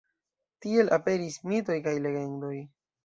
Tiel aperis mitoj kaj legendoj.